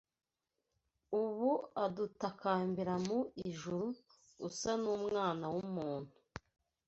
ubu adutakambira mu ijuru. Usa n’Umwana w’umuntu